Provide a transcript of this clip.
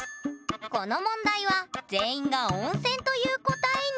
この問題は全員が「温泉」という答えに！